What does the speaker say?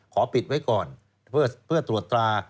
ขอปิดไว้ก่อนเพื่อตรวจตรา